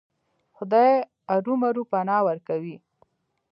خدای ارومرو پناه ورکوي.